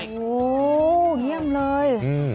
โหเงียบเลย